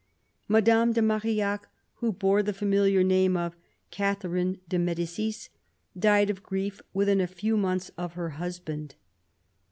Madame de Marillac, who bore the familiar name of Catherine de M6dicis, died of grief within a few months of her husband.